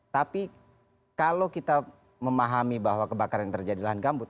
tapi kalau kita memahami bahwa kebakaran yang terjadi lahan gambut